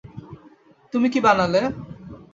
তুমি কি বানালে?